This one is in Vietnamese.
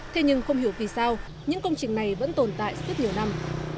thế nhưng không hiểu vì sao những công trình này vẫn tồn tại rất nhiều năm